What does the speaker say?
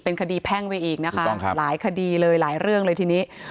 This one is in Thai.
คดีแพ่งไปอีกนะคะหลายคดีเลยหลายเรื่องเลยทีนี้